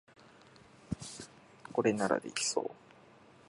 これならできそう